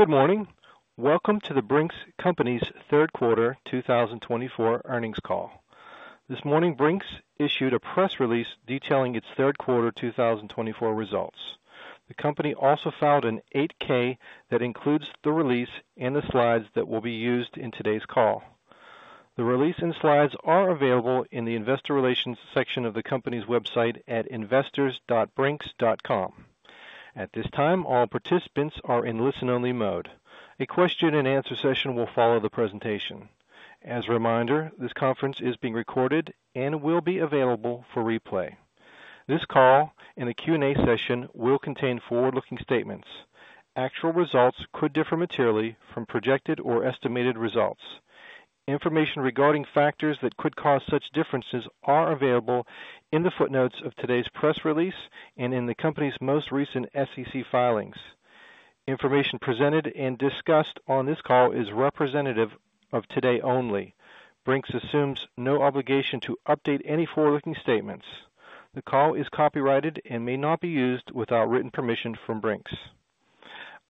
Good morning. Welcome to the Brink's Company's third quarter 2024 earnings call. This morning, Brink's issued a press release detailing its third quarter 2024 results. The company also filed an 8-K that includes the release and the slides that will be used in today's call. The release and slides are available in the investor relations section of the company's website at investors.brinks.com. At this time, all participants are in listen-only mode. A question-and-answer session will follow the presentation. As a reminder, this conference is being recorded and will be available for replay. This call and the Q&A session will contain forward-looking statements. Actual results could differ materially from projected or estimated results. Information regarding factors that could cause such differences is available in the footnotes of today's press release and in the company's most recent SEC filings. Information presented and discussed on this call is representative of today only. Brink's assumes no obligation to update any forward-looking statements. The call is copyrighted and may not be used without written permission from Brink's.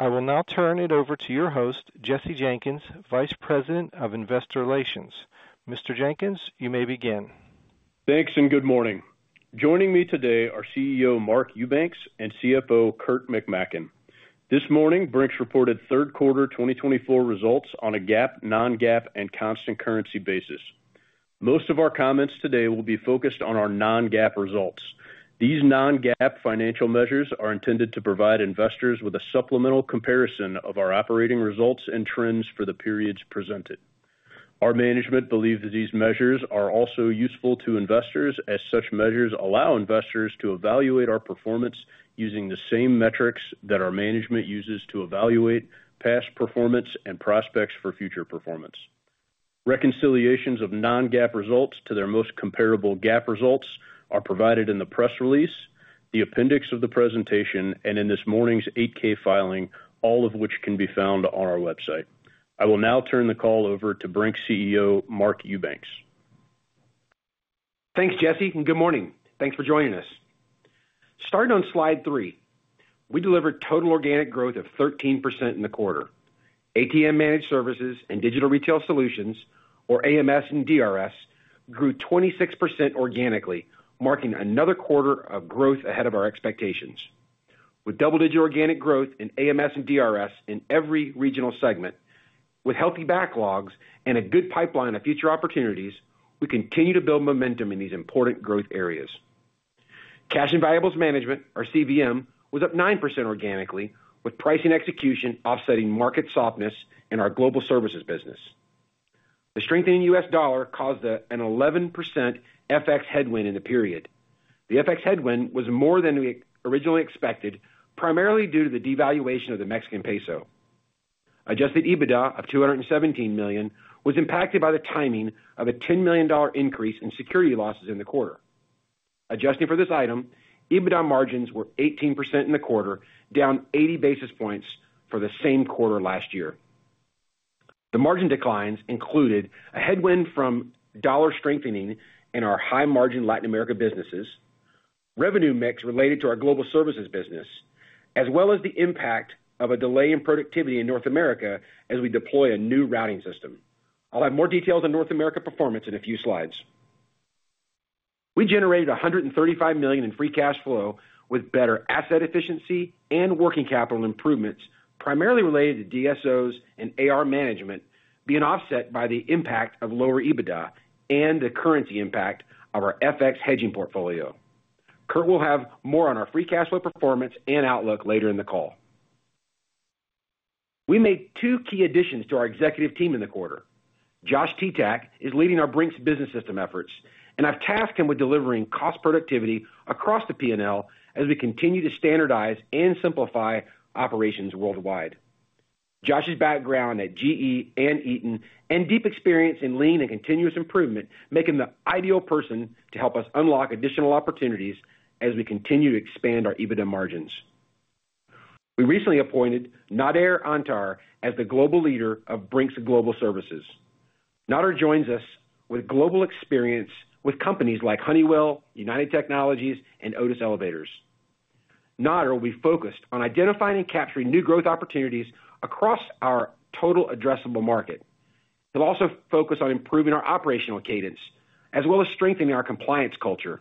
I will now turn it over to your host, Jesse Jenkins, Vice President of Investor Relations. Mr. Jenkins, you may begin. Thanks and good morning. Joining me today are CEO Mark Eubanks and CFO Kurt McMaken. This morning, Brink's reported third quarter 2024 results on a GAAP, non-GAAP, and constant currency basis. Most of our comments today will be focused on our non-GAAP results. These non-GAAP financial measures are intended to provide investors with a supplemental comparison of our operating results and trends for the periods presented. Our management believes that these measures are also useful to investors, as such measures allow investors to evaluate our performance using the same metrics that our management uses to evaluate past performance and prospects for future performance. Reconciliations of non-GAAP results to their most comparable GAAP results are provided in the press release, the appendix of the presentation, and in this morning's 8-K filing, all of which can be found on our website. I will now turn the call over to Brink's CEO, Mark Eubanks. Thanks, Jesse, and good morning. Thanks for joining us. Starting on slide three, we delivered total organic growth of 13% in the quarter. ATM Managed Services and Digital Retail Solutions, or AMS and DRS, grew 26% organically, marking another quarter of growth ahead of our expectations. With double-digit organic growth in AMS and DRS in every regional segment, with healthy backlogs and a good pipeline of future opportunities, we continue to build momentum in these important growth areas. Cash and Valuables Management, our CVM, was up 9% organically, with pricing execution offsetting market softness in our global services business. The strengthening U.S. dollar caused an 11% FX headwind in the period. The FX headwind was more than we originally expected, primarily due to the devaluation of the Mexican peso. Adjusted EBITDA of $217 million was impacted by the timing of a $10 million increase in security losses in the quarter. Adjusting for this item, EBITDA margins were 18% in the quarter, down 80 basis points for the same quarter last year. The margin declines included a headwind from dollar strengthening in our high-margin Latin America businesses, revenue mix related to our global services business, as well as the impact of a delay in productivity in North America as we deploy a new routing system. I'll have more details on North America performance in a few slides. We generated $135 million in free cash flow with better asset efficiency and working capital improvements, primarily related to DSOs and AR management, being offset by the impact of lower EBITDA and the currency impact of our FX hedging portfolio. Kurt will have more on our free cash flow performance and outlook later in the call. We made two key additions to our executive team in the quarter. Josh Teta is leading our Brink's Business System efforts, and I've tasked him with delivering cost productivity across the P&L as we continue to standardize and simplify operations worldwide. Josh's background at GE and Eaton and deep experience in lean and continuous improvement make him the ideal person to help us unlock additional opportunities as we continue to expand our EBITDA margins. We recently appointed Nadir Antar as the global leader of Brink's Global Services. Nadir joins us with global experience with companies like Honeywell, United Technologies, and Otis Elevators. Nadir will be focused on identifying and capturing new growth opportunities across our total addressable market. He'll also focus on improving our operational cadence, as well as strengthening our compliance culture,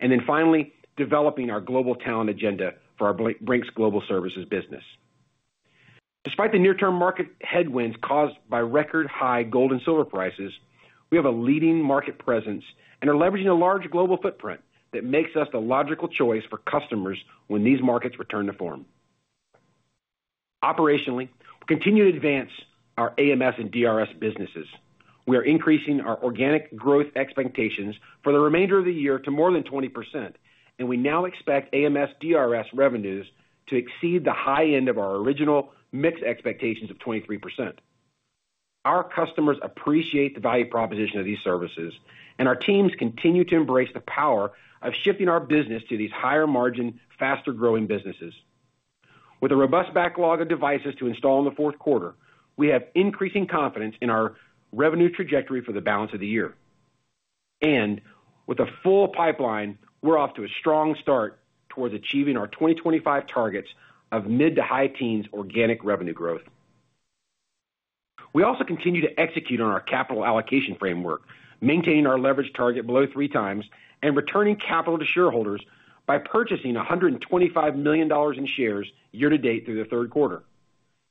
and then finally developing our global talent agenda for our Brink's Global Services business. Despite the near-term market headwinds caused by record-high gold and silver prices, we have a leading market presence and are leveraging a large global footprint that makes us the logical choice for customers when these markets return to form. Operationally, we continue to advance our AMS and DRS businesses. We are increasing our organic growth expectations for the remainder of the year to more than 20%, and we now expect AMS DRS revenues to exceed the high end of our original mix expectations of 23%. Our customers appreciate the value proposition of these services, and our teams continue to embrace the power of shifting our business to these higher-margin, faster-growing businesses. With a robust backlog of devices to install in the fourth quarter, we have increasing confidence in our revenue trajectory for the balance of the year. With a full pipeline, we're off to a strong start towards achieving our 2025 targets of mid to high-teens organic revenue growth. We also continue to execute on our capital allocation framework, maintaining our leverage target below three times and returning capital to shareholders by purchasing $125 million in shares year-to-date through the third quarter.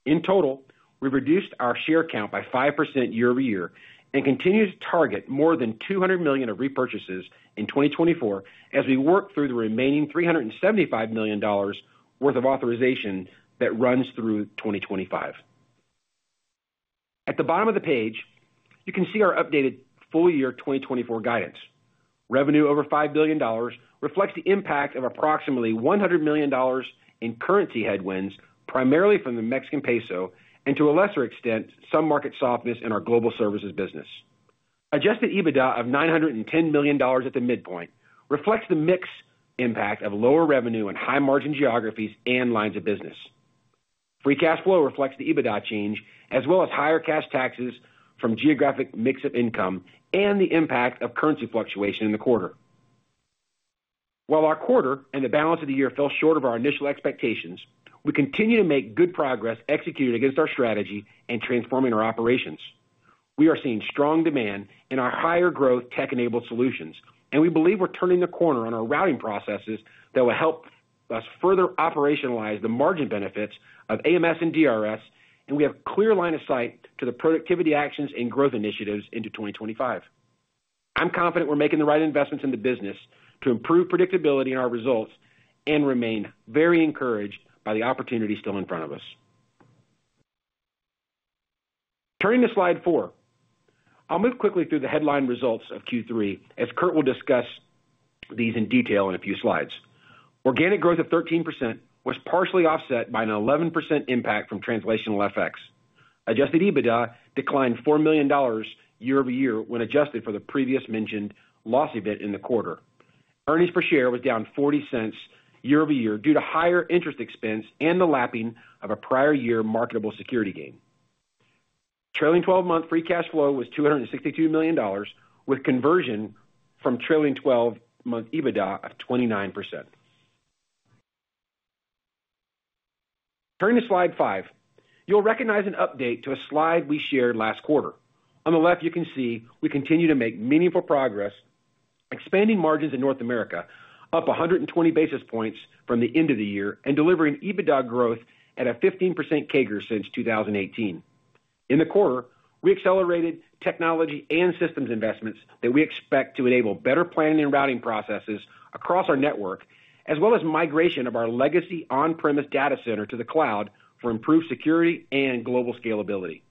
In total, we've reduced our share count by 5% year-over-year and continue to target more than $200 million of repurchases in 2024 as we work through the remaining $375 million worth of authorization that runs through 2025. At the bottom of the page, you can see our updated full-year 2024 guidance. Revenue over $5 billion reflects the impact of approximately $100 million in currency headwinds, primarily from the Mexican peso and, to a lesser extent, some market softness in our global services business. Adjusted EBITDA of $910 million at the midpoint reflects the mixed impact of lower revenue and high-margin geographies and lines of business. Free cash flow reflects the EBITDA change, as well as higher cash taxes from geographic mix of income and the impact of currency fluctuation in the quarter. While our quarter and the balance of the year fell short of our initial expectations, we continue to make good progress executed against our strategy and transforming our operations. We are seeing strong demand in our higher-growth tech-enabled solutions, and we believe we're turning the corner on our routing processes that will help us further operationalize the margin benefits of AMS and DRS, and we have a clear line of sight to the productivity actions and growth initiatives into 2025. I'm confident we're making the right investments in the business to improve predictability in our results and remain very encouraged by the opportunity still in front of us. Turning to slide four, I'll move quickly through the headline results of Q3, as Kurt will discuss these in detail in a few slides. Organic growth of 13% was partially offset by an 11% impact from translational FX. Adjusted EBITDA declined $4 million year-over-year when adjusted for the previously mentioned loss event in the quarter. Earnings per share was down $0.40 year-over-year due to higher interest expense and the lapping of a prior year marketable security gain. Trailing 12-month free cash flow was $262 million, with conversion from trailing 12-month EBITDA of 29%. Turning to slide five, you'll recognize an update to a slide we shared last quarter. On the left, you can see we continue to make meaningful progress, expanding margins in North America up 120 basis points from the end of the year and delivering EBITDA growth at a 15% CAGR since 2018. In the quarter, we accelerated technology and systems investments that we expect to enable better planning and routing processes across our network, as well as migration of our legacy on-premise data center to the cloud for improved security and global scalability.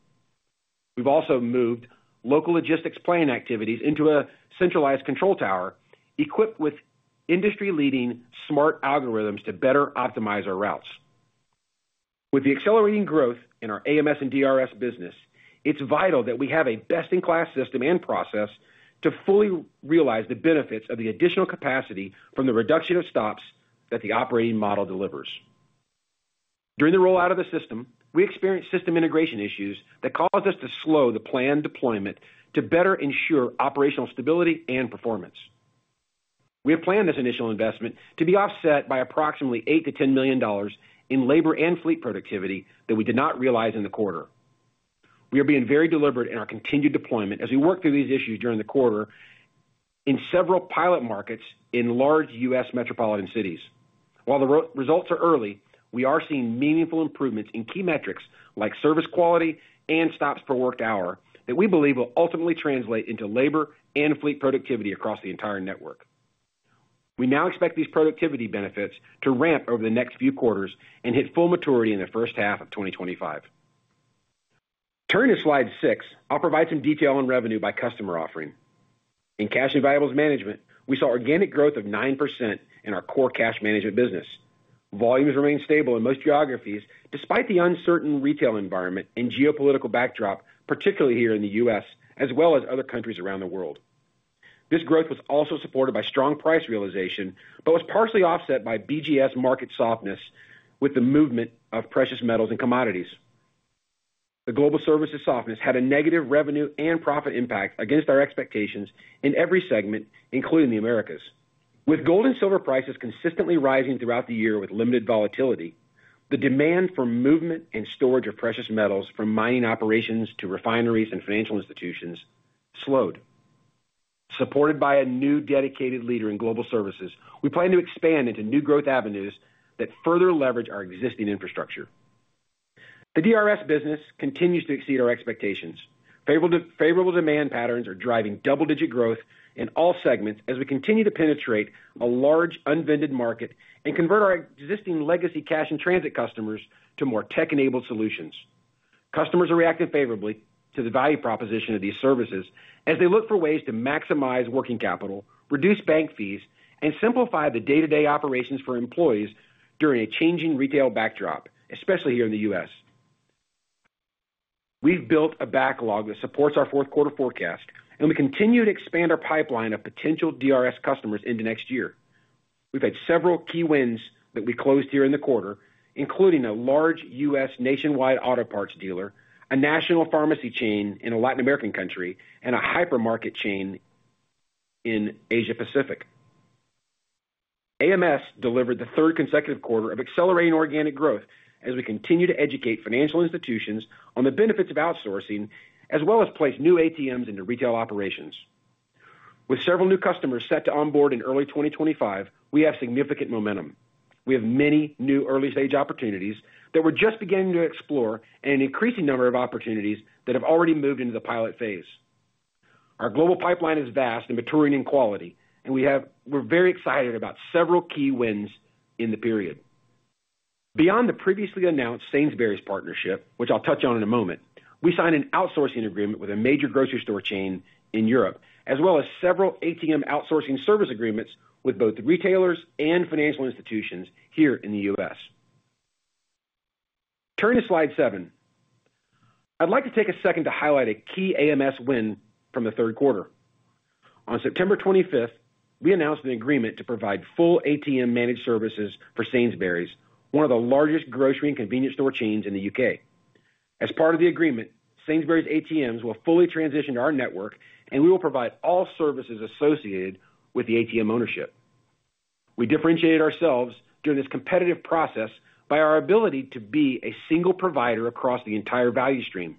We've also moved local logistics planning activities into a centralized control tower equipped with industry-leading smart algorithms to better optimize our routes. With the accelerating growth in our AMS and DRS business, it's vital that we have a best-in-class system and process to fully realize the benefits of the additional capacity from the reduction of stops that the operating model delivers. During the rollout of the system, we experienced system integration issues that caused us to slow the planned deployment to better ensure operational stability and performance. We have planned this initial investment to be offset by approximately $8-$10 million in labor and fleet productivity that we did not realize in the quarter. We are being very deliberate in our continued deployment as we work through these issues during the quarter in several pilot markets in large U.S. metropolitan cities. While the results are early, we are seeing meaningful improvements in key metrics like service quality and stops per worked hour that we believe will ultimately translate into labor and fleet productivity across the entire network. We now expect these productivity benefits to ramp over the next few quarters and hit full maturity in the first half of 2025. Turning to slide six, I'll provide some detail on revenue by customer offering. In cash and valuables management, we saw organic growth of 9% in our core cash management business. Volumes remained stable in most geographies despite the uncertain retail environment and geopolitical backdrop, particularly here in the U.S., as well as other countries around the world. This growth was also supported by strong price realization, but was partially offset by BGS market softness with the movement of precious metals and commodities. The global services softness had a negative revenue and profit impact against our expectations in every segment, including the Americas. With gold and silver prices consistently rising throughout the year with limited volatility, the demand for movement and storage of precious metals from mining operations to refineries and financial institutions slowed. Supported by a new dedicated leader in global services, we plan to expand into new growth avenues that further leverage our existing infrastructure. The DRS business continues to exceed our expectations. Favorable demand patterns are driving double-digit growth in all segments as we continue to penetrate a large unvended market and convert our existing legacy cash and transit customers to more tech-enabled solutions. Customers are reacting favorably to the value proposition of these services as they look for ways to maximize working capital, reduce bank fees, and simplify the day-to-day operations for employees during a changing retail backdrop, especially here in the U.S. We've built a backlog that supports our fourth-quarter forecast, and we continue to expand our pipeline of potential DRS customers into next year. We've had several key wins that we closed here in the quarter, including a large U.S. nationwide auto parts dealer, a national pharmacy chain in a Latin American country, and a hypermarket chain in Asia-Pacific. AMS delivered the third consecutive quarter of accelerating organic growth as we continue to educate financial institutions on the benefits of outsourcing, as well as place new ATMs into retail operations. With several new customers set to onboard in early 2025, we have significant momentum. We have many new early-stage opportunities that we're just beginning to explore and an increasing number of opportunities that have already moved into the pilot phase. Our global pipeline is vast and maturing in quality, and we're very excited about several key wins in the period. Beyond the previously announced Sainsbury's partnership, which I'll touch on in a moment, we signed an outsourcing agreement with a major grocery store chain in Europe, as well as several ATM outsourcing service agreements with both retailers and financial institutions here in the U.S. Turning to slide seven, I'd like to take a second to highlight a key AMS win from the third quarter. On September 25th, we announced an agreement to provide full ATM managed services for Sainsbury's, one of the largest grocery and convenience store chains in the U.K. As part of the agreement, Sainsbury's ATMs will fully transition to our network, and we will provide all services associated with the ATM ownership. We differentiated ourselves during this competitive process by our ability to be a single provider across the entire value stream,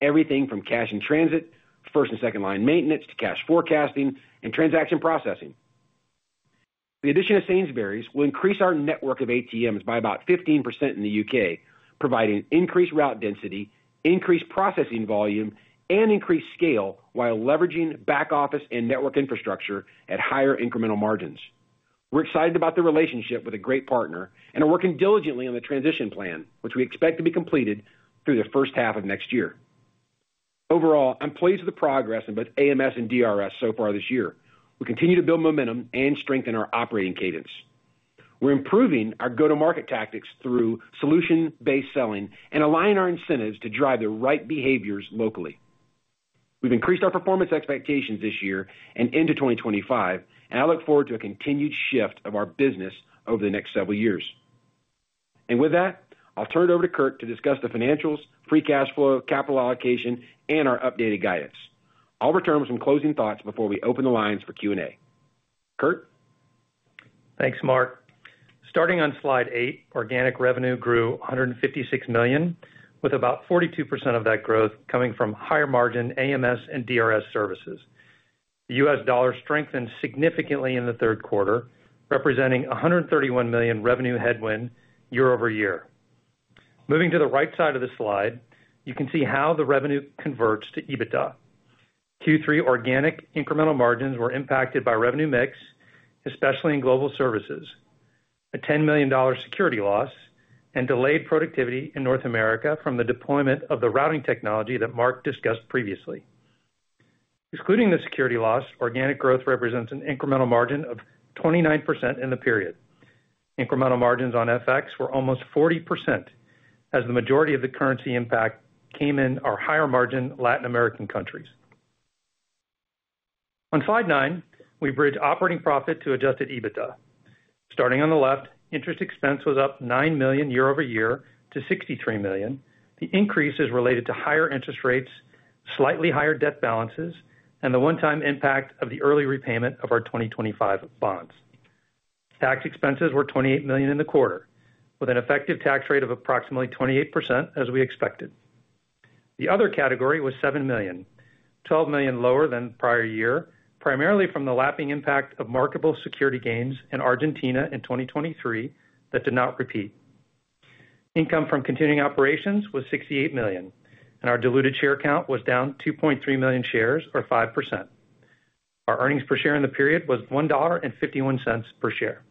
everything from cash-in-transit, first- and second-line maintenance, to cash forecasting and transaction processing. The addition of Sainsbury's will increase our network of ATMs by about 15% in the U.K., providing increased route density, increased processing volume, and increased scale while leveraging back office and network infrastructure at higher incremental margins. We're excited about the relationship with a great partner and are working diligently on the transition plan, which we expect to be completed through the first half of next year. Overall, I'm pleased with the progress in both AMS and DRS so far this year. We continue to build momentum and strengthen our operating cadence. We're improving our go-to-market tactics through solution-based selling and aligning our incentives to drive the right behaviors locally. We've increased our performance expectations this year and into 2025, and I look forward to a continued shift of our business over the next several years. With that, I'll turn it over to Kurt to discuss the financials, free cash flow, capital allocation, and our updated guidance. I'll return with some closing thoughts before we open the lines for Q&A. Kurt. Thanks, Mark. Starting on slide eight, organic revenue grew $156 million, with about 42% of that growth coming from higher-margin AMS and DRS services. The U.S. dollar strengthened significantly in the third quarter, representing $131 million revenue headwind year-over-year. Moving to the right side of the slide, you can see how the revenue converts to EBITDA. Q3 organic incremental margins were impacted by revenue mix, especially in global services, a $10 million security loss, and delayed productivity in North America from the deployment of the routing technology that Mark discussed previously. Excluding the security loss, organic growth represents an incremental margin of 29% in the period. Incremental margins on FX were almost 40%, as the majority of the currency impact came in our higher-margin Latin American countries. On slide nine, we bridge operating profit to Adjusted EBITDA. Starting on the left, interest expense was up $9 million year-over-year to $63 million. The increase is related to higher interest rates, slightly higher debt balances, and the one-time impact of the early repayment of our 2025 bonds. Tax expenses were $28 million in the quarter, with an effective tax rate of approximately 28%, as we expected. The other category was $7 million, $12 million lower than the prior year, primarily from the lapping impact of marketable security gains in Argentina in 2023 that did not repeat. Income from continuing operations was $68 million, and our diluted share count was down 2.3 million shares, or 5%. Our earnings per share in the period was $1.51 per share.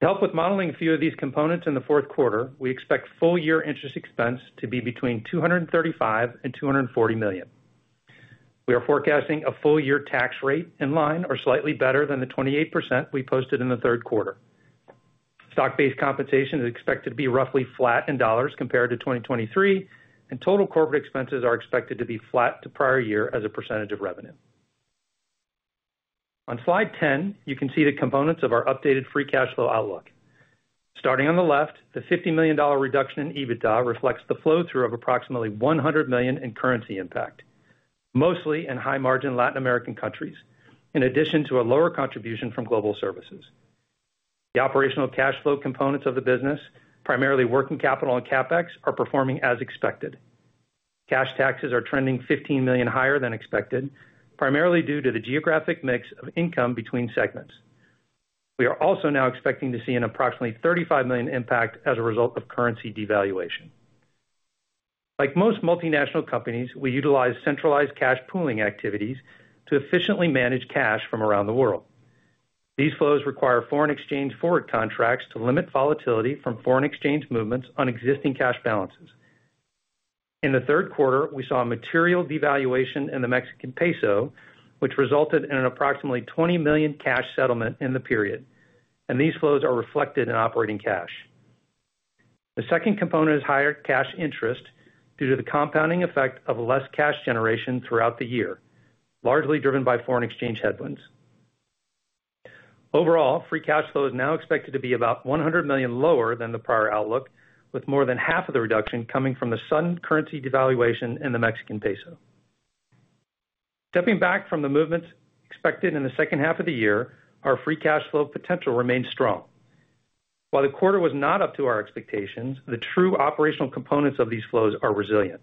To help with modeling a few of these components in the fourth quarter, we expect full-year interest expense to be between $235 and $240 million. We are forecasting a full-year tax rate in line or slightly better than the 28% we posted in the third quarter. Stock-based compensation is expected to be roughly flat in dollars compared to 2023, and total corporate expenses are expected to be flat to prior year as a percentage of revenue. On slide 10, you can see the components of our updated free cash flow outlook. Starting on the left, the $50 million reduction in EBITDA reflects the flow-through of approximately $100 million in currency impact, mostly in high-margin Latin American countries, in addition to a lower contribution from global services. The operational cash flow components of the business, primarily working capital and CapEx, are performing as expected. Cash taxes are trending $15 million higher than expected, primarily due to the geographic mix of income between segments. We are also now expecting to see an approximately $35 million impact as a result of currency devaluation. Like most multinational companies, we utilize centralized cash pooling activities to efficiently manage cash from around the world. These flows require foreign exchange forward contracts to limit volatility from foreign exchange movements on existing cash balances. In the third quarter, we saw material devaluation in the Mexican peso, which resulted in an approximately $20 million cash settlement in the period, and these flows are reflected in operating cash. The second component is higher cash interest due to the compounding effect of less cash generation throughout the year, largely driven by foreign exchange headwinds. Overall, free cash flow is now expected to be about $100 million lower than the prior outlook, with more than half of the reduction coming from the sudden currency devaluation in the Mexican peso. Stepping back from the movements expected in the second half of the year, our free cash flow potential remains strong. While the quarter was not up to our expectations, the true operational components of these flows are resilient.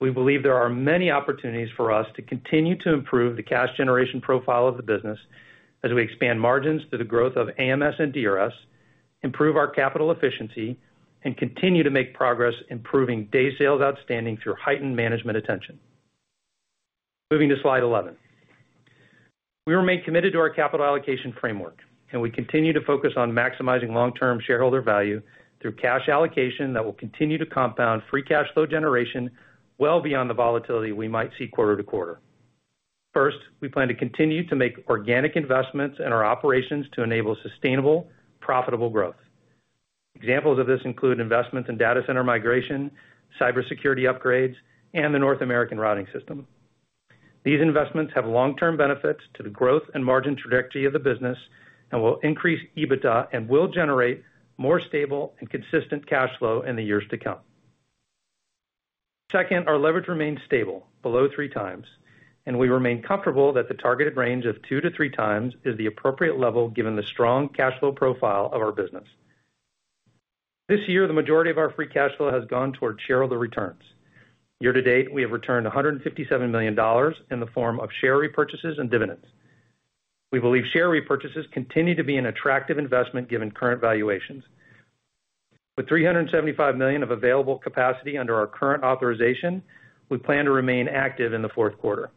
We believe there are many opportunities for us to continue to improve the cash generation profile of the business as we expand margins through the growth of AMS and DRS, improve our capital efficiency, and continue to make progress, improving day sales outstanding through heightened management attention. Moving to slide 11. We remain committed to our capital allocation framework, and we continue to focus on maximizing long-term shareholder value through cash allocation that will continue to compound free cash flow generation well beyond the volatility we might see quarter to quarter. First, we plan to continue to make organic investments in our operations to enable sustainable, profitable growth. Examples of this include investments in data center migration, cybersecurity upgrades, and the North American routing system. These investments have long-term benefits to the growth and margin trajectory of the business and will increase EBITDA and will generate more stable and consistent cash flow in the years to come. Second, our leverage remains stable, below three times, and we remain comfortable that the targeted range of two to three times is the appropriate level given the strong cash flow profile of our business. This year, the majority of our free cash flow has gone toward shareholder returns. Year to date, we have returned $157 million in the form of share repurchases and dividends. We believe share repurchases continue to be an attractive investment given current valuations. With $375 million of available capacity under our current authorization, we plan to remain active in the fourth quarter.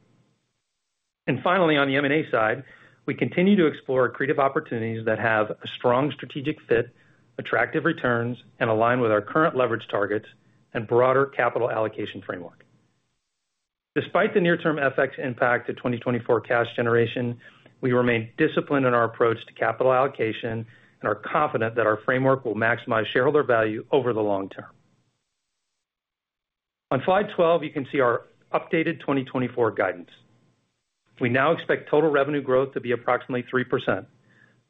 And finally, on the M&A side, we continue to explore creative opportunities that have a strong strategic fit, attractive returns, and align with our current leverage targets and broader capital allocation framework. Despite the near-term FX impact to 2024 cash generation, we remain disciplined in our approach to capital allocation and are confident that our framework will maximize shareholder value over the long term. On slide 12, you can see our updated 2024 guidance. We now expect total revenue growth to be approximately 3%,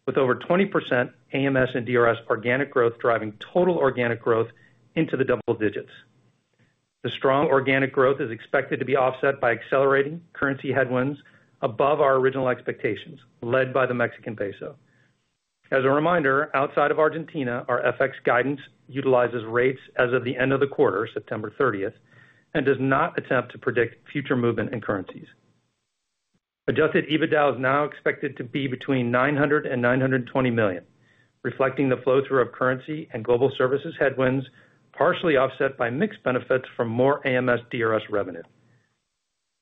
with over 20% AMS and DRS organic growth driving total organic growth into the double digits. The strong organic growth is expected to be offset by accelerating currency headwinds above our original expectations, led by the Mexican peso. As a reminder, outside of Argentina, our FX guidance utilizes rates as of the end of the quarter, September 30th, and does not attempt to predict future movement in currencies. Adjusted EBITDA is now expected to be between $900-$920 million, reflecting the flow-through of currency and global services headwinds, partially offset by mixed benefits from more AMS DRS revenue.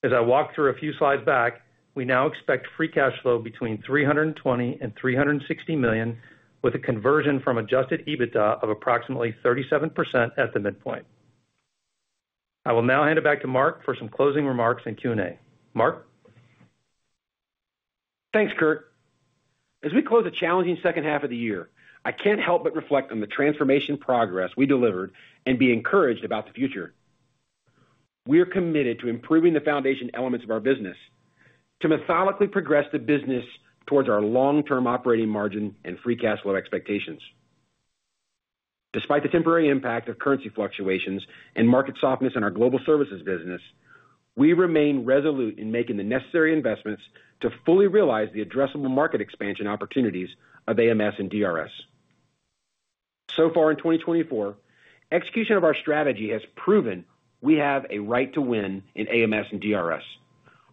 As I walk through a few slides back, we now expect free cash flow between $320-$360 million, with a conversion from adjusted EBITDA of approximately 37% at the midpoint. I will now hand it back to Mark for some closing remarks and Q&A. Mark. Thanks, Kurt. As we close the challenging second half of the year, I can't help but reflect on the transformation progress we delivered and be encouraged about the future. We are committed to improving the foundation elements of our business to methodically progress the business towards our long-term operating margin and free cash flow expectations. Despite the temporary impact of currency fluctuations and market softness in our global services business, we remain resolute in making the necessary investments to fully realize the addressable market expansion opportunities of AMS and DRS. So far in 2024, execution of our strategy has proven we have a right to win in AMS and DRS.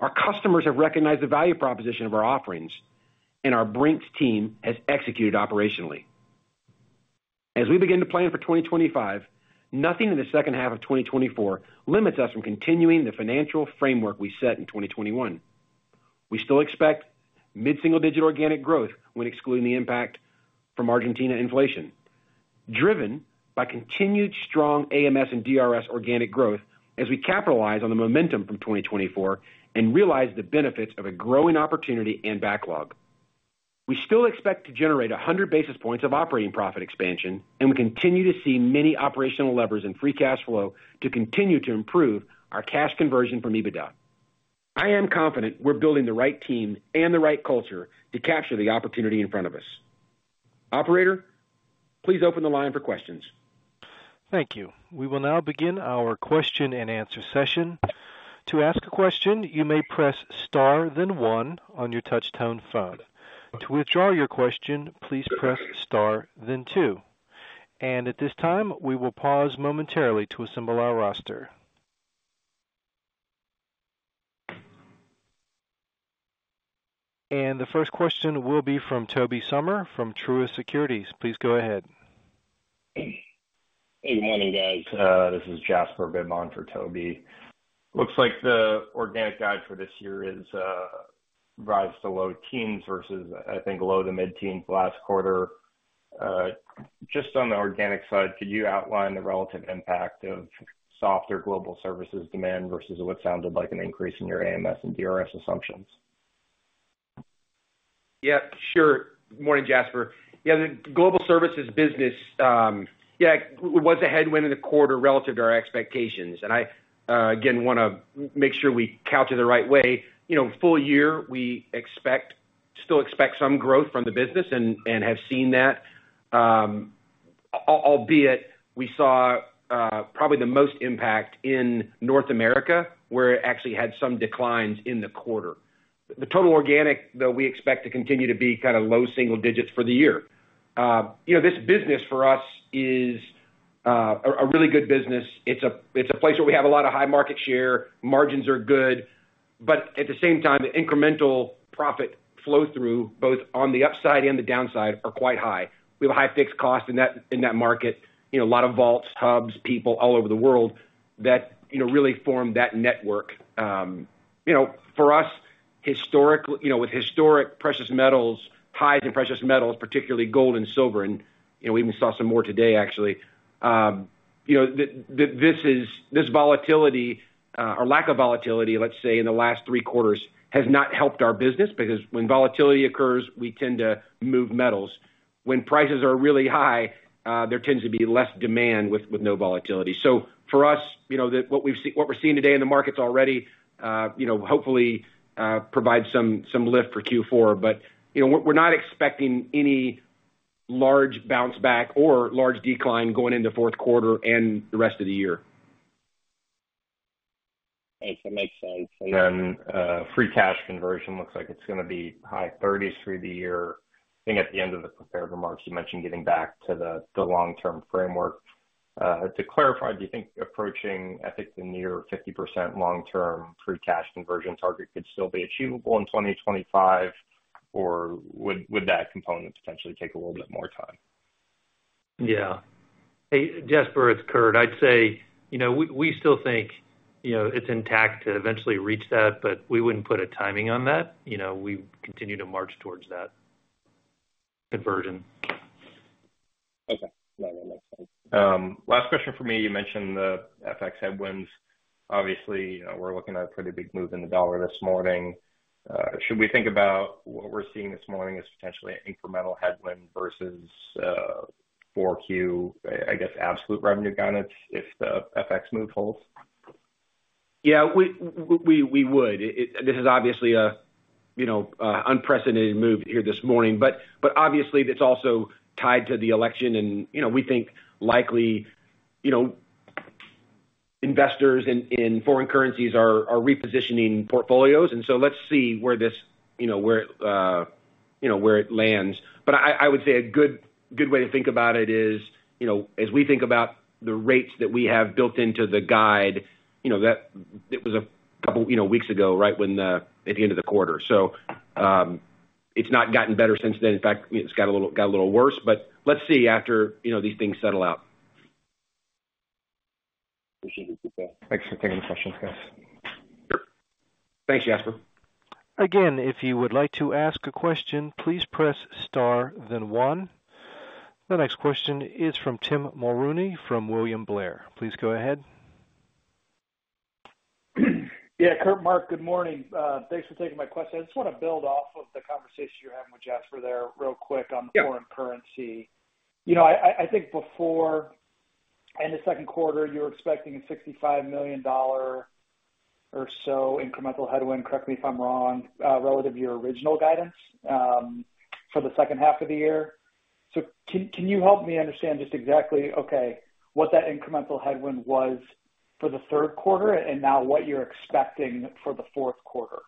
Our customers have recognized the value proposition of our offerings, and our Brink's team has executed operationally. As we begin to plan for 2025, nothing in the second half of 2024 limits us from continuing the financial framework we set in 2021. We still expect mid-single-digit organic growth when excluding the impact from Argentina inflation, driven by continued strong AMS and DRS organic growth as we capitalize on the momentum from 2024 and realize the benefits of a growing opportunity and backlog. We still expect to generate 100 basis points of operating profit expansion, and we continue to see many operational levers in free cash flow to continue to improve our cash conversion from EBITDA. I am confident we're building the right team and the right culture to capture the opportunity in front of us. Operator, please open the line for questions. Thank you. We will now begin our question and answer session. To ask a question, you may press star, then one on your touch-tone phone. To withdraw your question, please press star, then two. At this time, we will pause momentarily to assemble our roster. The first question will be from Tobey Sommer from Truist Securities. Please go ahead. Hey, good morning, guys. This is Jasper Bibb for Tobey. Looks like the organic guide for this year is raised to low teens versus, I think, low to mid-teens last quarter. Just on the organic side, could you outline the relative impact of softer global services demand versus what sounded like an increase in your AMS and DRS assumptions? Yeah, sure. Morning, Jasper. Yeah, the global services business, yeah, was a headwind in the quarter relative to our expectations. I, again, want to make sure we couch it the right way. Full year, we still expect some growth from the business and have seen that, albeit we saw probably the most impact in North America, where it actually had some declines in the quarter. The total organic, though, we expect to continue to be kind of low single digits for the year. This business for us is a really good business. It's a place where we have a lot of high market share. Margins are good. But at the same time, the incremental profit flow-through, both on the upside and the downside, are quite high. We have a high fixed cost in that market. A lot of vaults, hubs, people all over the world that really form that network. For us, with historic precious metals highs in precious metals, particularly gold and silver, and we even saw some more today, actually, this volatility or lack of volatility, let's say, in the last three quarters has not helped our business because when volatility occurs, we tend to move metals. When prices are really high, there tends to be less demand with no volatility. So for us, what we're seeing today in the markets already hopefully provides some lift for Q4. But we're not expecting any large bounce back or large decline going into fourth quarter and the rest of the year. Thanks. That makes sense. And then free cash conversion looks like it's going to be high 30s through the year. I think at the end of the prepared remarks, you mentioned getting back to the long-term framework. To clarify, do you think approaching, I think, the near 50% long-term free cash conversion target could still be achievable in 2025, or would that component potentially take a little bit more time? Yeah. Hey, Jasper, it's Kurt. I'd say we still think it's intact to eventually reach that, but we wouldn't put a timing on that. We continue to march towards that conversion. Okay. No, that makes sense. Last question for me. You mentioned the FX headwinds. Obviously, we're looking at a pretty big move in the dollar this morning. Should we think about what we're seeing this morning as potentially an incremental headwind versus 4Q, I guess, absolute revenue guidance if the FX move holds? Yeah, we would. This is obviously an unprecedented move here this morning. But obviously, it's also tied to the election, and we think likely investors in foreign currencies are repositioning portfolios. And so let's see where it lands. But I would say a good way to think about it is, as we think about the rates that we have built into the guide, that was a couple of weeks ago, right at the end of the quarter. So it's not gotten better since then. In fact, it's got a little worse. But let's see after these things settle out. Appreciate it. Thanks for taking the questions, guys. Sure. Thanks, Jasper. Again, if you would like to ask a question, please press star, then one. The next question is from Tim Mulrooney from William Blair. Please go ahead. Yeah, Kurt, Mark, good morning. Thanks for taking my question. I just want to build off of the conversation you're having with Jasper there real quick on the foreign currency. I think before the end of the second quarter, you were expecting a $65 million or so incremental headwind, correct me if I'm wrong, relative to your original guidance for the second half of the year. So can you help me understand just exactly, okay, what that incremental headwind was for the third quarter and now what you're expecting for the fourth quarter?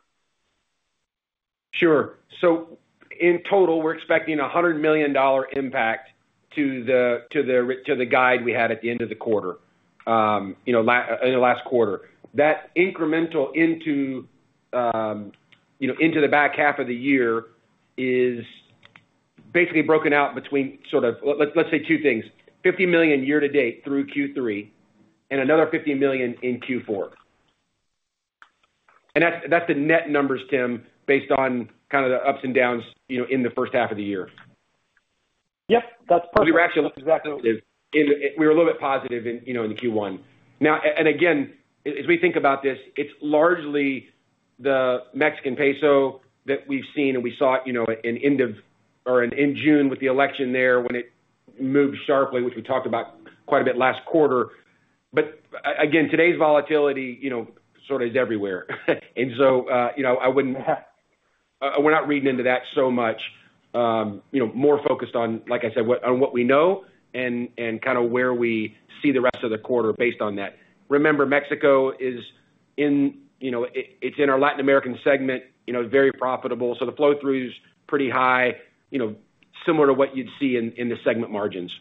Sure. So in total, we're expecting a $100 million impact to the guide we had at the end of the quarter, in the last quarter. That incremental into the back half of the year is basically broken out between sort of, let's say, two things: $50 million year to date through Q3 and another $50 million in Q4. And that's the net numbers, Tim, based on kind of the ups and downs in the first half of the year. Yep, that's perfect. We were actually a little bit positive in Q1. Now, and again, as we think about this, it's largely the Mexican peso that we've seen, and we saw it in June with the election there when it moved sharply, which we talked about quite a bit last quarter. But again, today's volatility sort of is everywhere. And so I wouldn't—we're not reading into that so much. More focused on, like I said, on what we know and kind of where we see the rest of the quarter based on that. Remember, Mexico is in our Latin American segment, very profitable. So the flow-through is pretty high, similar to what you'd see in the segment margins.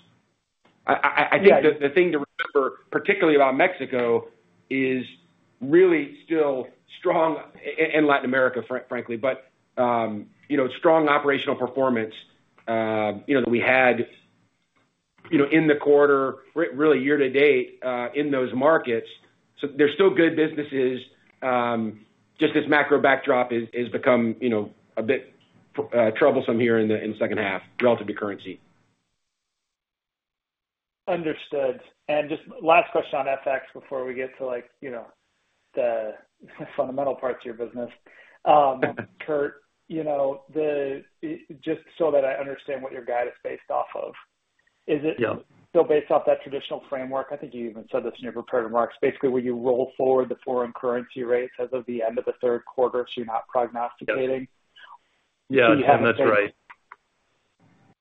I think the thing to remember, particularly about Mexico, is really still strong in Latin America, frankly, but strong operational performance that we had in the quarter, really year to date in those markets. So they're still good businesses. Just this macro backdrop has become a bit troublesome here in the second half relative to currency. Understood. And just last question on FX before we get to the fundamental parts of your business. Kurt, just so that I understand what your guide is based off of, is it still based off that traditional framework? I think you even said this in your prepared remarks. Basically, will you roll forward the foreign currency rates as of the end of the third quarter? So you're not prognosticating? Yeah, that's right.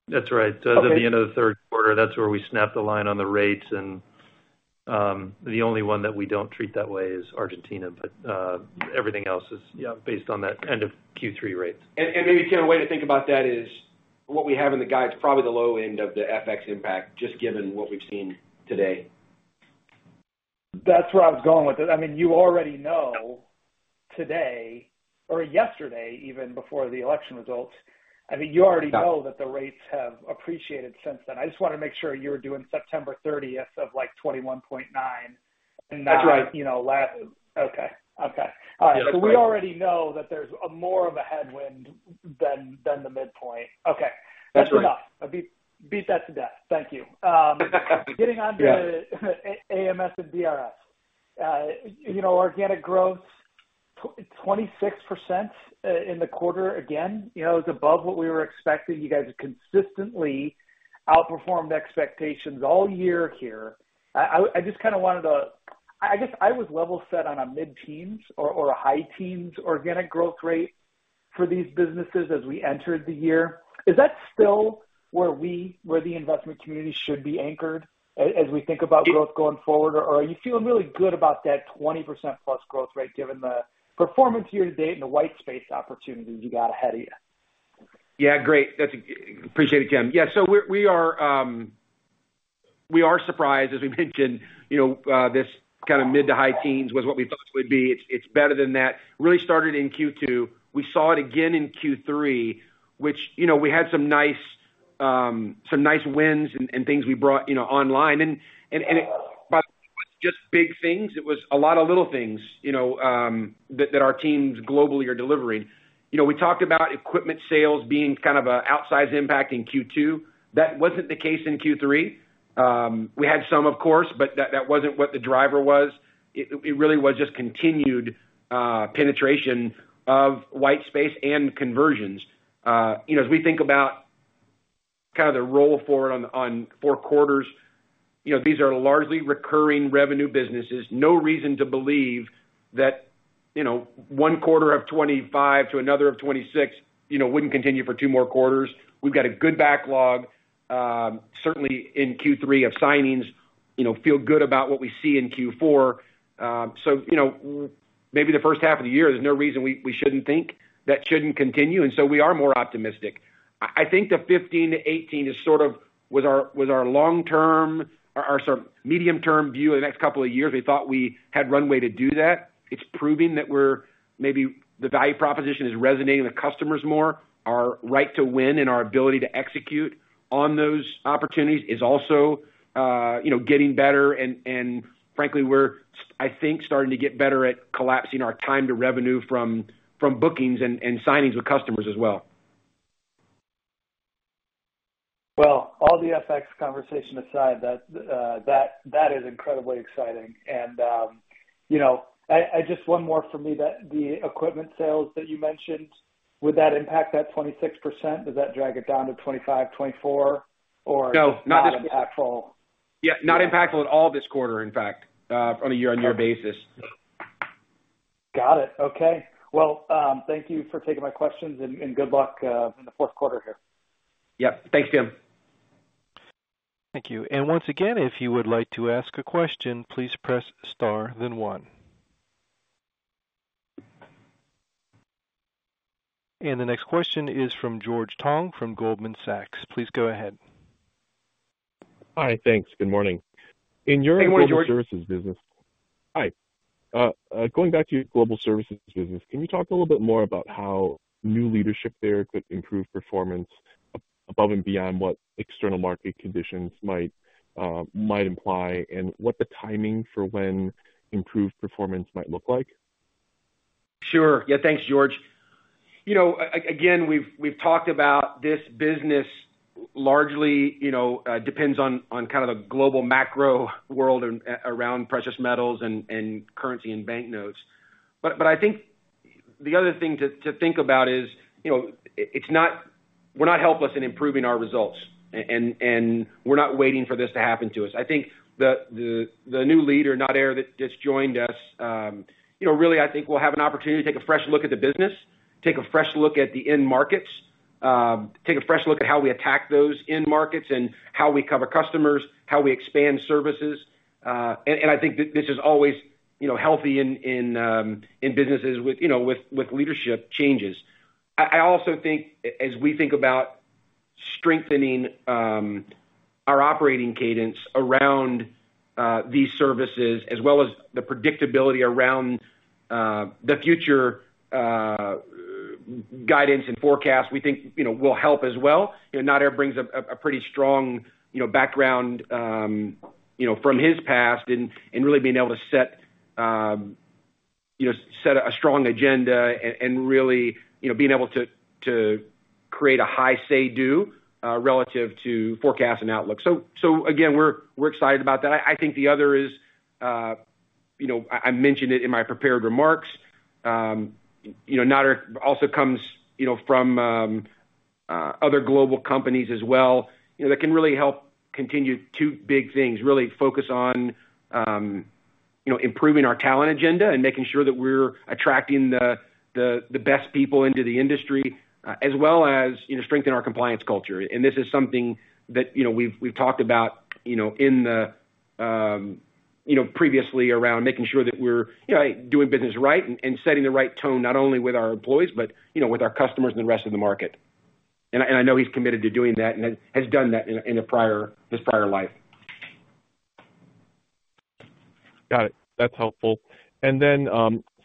That's right. So at the end of the third quarter, that's where we snapped the line on the rates. And the only one that we don't treat that way is Argentina, but everything else is based on that end of Q3 rates. And maybe a way to think about that is what we have in the guide is probably the low end of the FX impact, just given what we've seen today. That's where I was going with it. I mean, you already know today or yesterday, even before the election results. I mean, you already know that the rates have appreciated since then. I just wanted to make sure you were doing September 30th of like 21.9. That's right. Okay. Okay. All right. So we already know that there's more of a headwind than the midpoint. Okay. That's enough. Beat that to death. Thank you. Getting on to AMS and DRS. Organic growth, 26% in the quarter again. It was above what we were expecting. You guys have consistently outperformed expectations all year here. I just kind of wanted to. I guess I was level set on a mid-teens or a high-teens organic growth rate for these businesses as we entered the year. Is that still where the investment community should be anchored as we think about growth going forward? Or are you feeling really good about that 20% plus growth rate given the performance year to date and the white space opportunities you got ahead of you? Yeah, great. Appreciate it, Tim. Yeah. So we are surprised, as we mentioned, this kind of mid to high teens was what we thought it would be. It's better than that. Really started in Q2. We saw it again in Q3, which we had some nice wins and things we brought online. And by the way, it wasn't just big things. It was a lot of little things that our teams globally are delivering. We talked about equipment sales being kind of an outsized impact in Q2. That wasn't the case in Q3. We had some, of course, but that wasn't what the driver was. It really was just continued penetration of white space and conversions. As we think about kind of the roll forward on four quarters, these are largely recurring revenue businesses. No reason to believe that one quarter of 2025 to another of 2026 wouldn't continue for two more quarters. We've got a good backlog, certainly in Q3 of signings. Feel good about what we see in Q4. So maybe the first half of the year, there's no reason we shouldn't think that shouldn't continue. And so we are more optimistic. I think the 2015 to 2018 is sort of was our long-term or sort of medium-term view of the next couple of years. We thought we had runway to do that. It's proving that we're maybe the value proposition is resonating with customers more. Our right to win and our ability to execute on those opportunities is also getting better. And frankly, we're, I think, starting to get better at collapsing our time to revenue from bookings and signings with customers as well. Well, all the FX conversation aside, that is incredibly exciting. And just one more for me, the equipment sales that you mentioned, would that impact that 26%? Does that drag it down to 25%, 24%, or not impactful? Yeah, not impactful at all this quarter, in fact, on a year-on-year basis. Got it. Okay. Well, thank you for taking my questions and good luck in the fourth quarter here. Yep. Thanks, Tim. Thank you. And once again, if you would like to ask a question, please press star, then one. The next question is from George Tong from Goldman Sachs. Please go ahead. Hi, thanks. Good morning. In your global services business. Hi. Going back to your global services business, can you talk a little bit more about how new leadership there could improve performance above and beyond what external market conditions might imply and what the timing for when improved performance might look like? Sure. Yeah, thanks, George. Again, we've talked about this business largely depends on kind of the global macro world around precious metals and currency and banknotes. But I think the other thing to think about is we're not helpless in improving our results, and we're not waiting for this to happen to us. I think the new leader, Josh Teta, that just joined us, really, I think we'll have an opportunity to take a fresh look at the business, take a fresh look at the end markets, take a fresh look at how we attack those end markets and how we cover customers, how we expand services, and I think this is always healthy in businesses with leadership changes. I also think, as we think about strengthening our operating cadence around these services, as well as the predictability around the future guidance and forecast, we think will help as well. Josh Teta brings a pretty strong background from his past and really being able to set a strong agenda and really being able to create a high say-do relative to forecasts and outlooks, so again, we're excited about that. I think the other is I mentioned it in my prepared remarks. Nadir also comes from other global companies as well that can really help continue two big things, really focus on improving our talent agenda and making sure that we're attracting the best people into the industry, as well as strengthen our compliance culture. And this is something that we've talked about previously around making sure that we're doing business right and setting the right tone not only with our employees, but with our customers and the rest of the market. And I know he's committed to doing that and has done that in his prior life. Got it. That's helpful. And then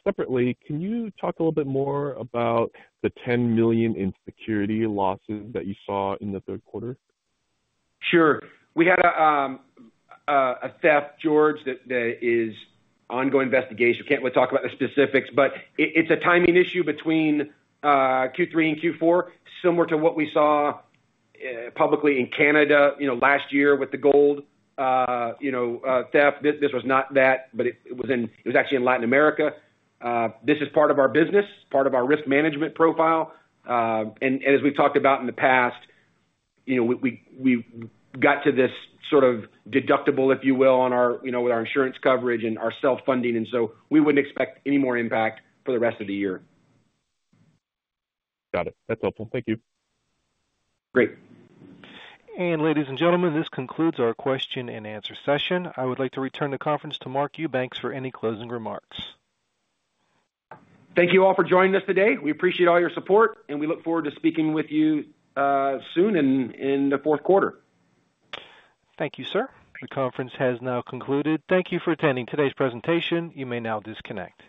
separately, can you talk a little bit more about the $10 million in security losses that you saw in the third quarter? Sure. We had a theft, George, that is an ongoing investigation. We can't really talk about the specifics, but it's a timing issue between Q3 and Q4, similar to what we saw publicly in Canada last year with the gold theft. This was not that, but it was actually in Latin America. This is part of our business, part of our risk management profile, and as we've talked about in the past, we got to this sort of deductible, if you will, with our insurance coverage and our self-funding. And so we wouldn't expect any more impact for the rest of the year. Got it. That's helpful. Thank you. Great, and ladies and gentlemen, this concludes our question and answer session. I would like to return the conference to Mark Eubanks for any closing remarks. Thank you all for joining us today. We appreciate all your support, and we look forward to speaking with you soon in the fourth quarter. Thank you, sir. The conference has now concluded. Thank you for attending today's presentation. You may now disconnect.